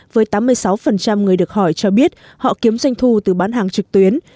với tám mươi sáu người được hỏi cho biết họ kiếm doanh thu từ bán hàng trực tuyến